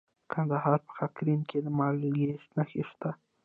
د کندهار په خاکریز کې د مالګې نښې شته.